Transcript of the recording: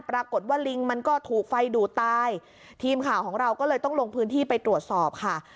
ปรากฏว่าลิงมันก็ถูกไฟดูดตายทีมข่าวของเราก็เลยต้องลงพื้นที่ไปตรวจสอบค่ะ